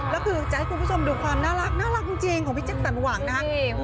แล้วคือจะให้คุณผู้ชมดูความน่ารักจริงของพี่แจ็คสันหวังนะครับ